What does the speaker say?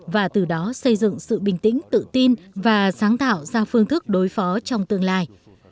và từ đó xây dựng sự bình tĩnh tự tin và sáng tạo ra phương thức đối phó trong tương lai